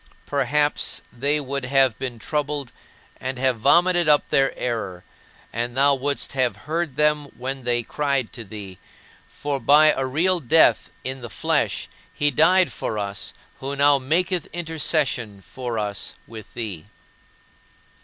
Perhaps they would have been troubled, and have vomited up their error, and thou wouldst have heard them when they cried to thee; for by a real death in the flesh He died for us who now maketh intercession for us with thee.